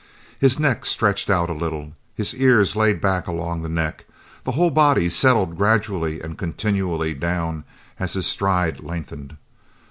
His neck stretched out a little his ears laid back along the neck his whole body settled gradually and continually down as his stride lengthened.